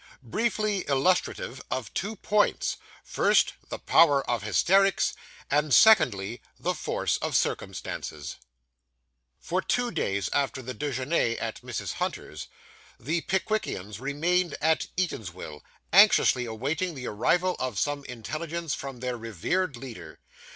BRIEFLY ILLUSTRATIVE OF TWO POINTS; FIRST, THE POWER OF HYSTERICS, AND, SECONDLY, THE FORCE OF CIRCUMSTANCES For two days after the _dejeune _at Mrs. Hunter's, the Pickwickians remained at Eatanswill, anxiously awaiting the arrival of some intelligence from their revered leader.